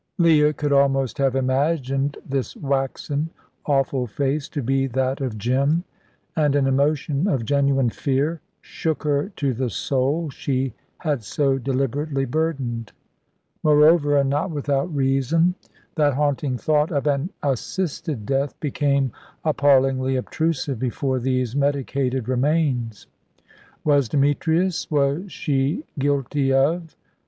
Leah could almost have imagined this waxen, awful face to be that of Jim; and an emotion of genuine fear shook her to the soul she had so deliberately burdened. Moreover, and not without reason, that haunting thought of an assisted death became appallingly obtrusive before these medicated remains. Was Demetrius was she guilty of